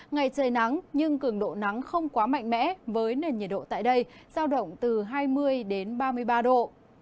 ngày trời nắng nhưng cường độ nắng không quá mạnh mẽ với nền nhiệt độ tại đây giao động từ hai mươi ba mươi ba độ